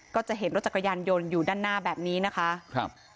ก็จะเห็นรถจักรยานยนต์อยู่ด้านหน้าแบบนี้นะคะครับ